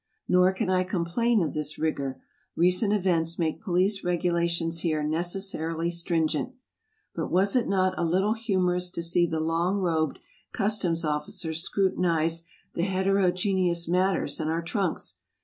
Nor can I complain of this rigor. Recent events make police regulations here necessarily stringent. But was it not a little humorous to see the long robed customs' officers scrutinize the heterogeneous matters in our trunks